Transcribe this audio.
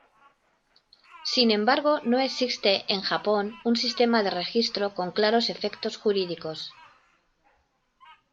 Sin embargo no existe en Japón un sistema de registro con claros efectos jurídicos.